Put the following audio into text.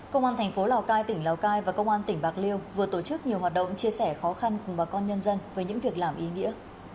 công an thành phố lào cai tỉnh lào cai và công an tỉnh bạc liêu vừa tổ chức nhiều hoạt động chia sẻ khó khăn cùng bà con nhân dân với những việc làm ý nghĩa